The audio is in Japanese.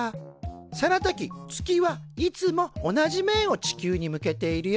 その時月はいつも同じ面を地球に向けているよ。